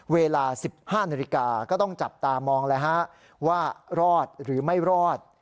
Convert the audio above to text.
เวลา๑๕นาฬิกาก็ต้องจับตามองแล้วฮะว่ารอดหรือไม่รอด